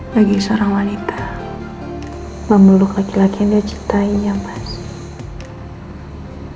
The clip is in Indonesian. bagi seorang wanita memeluk laki laki yang dia cintainya mas